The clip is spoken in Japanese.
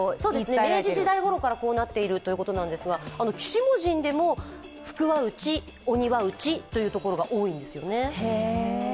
明治時代ごろからこうなっているそうですが、鬼子母神でも福はうち、鬼はうちというところが多いんですね。